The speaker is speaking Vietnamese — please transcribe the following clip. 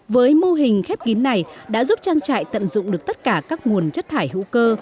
với mô hình khép kín này đã giúp trang trại tận dụng được tất cả các nguồn chất thải hữu cơ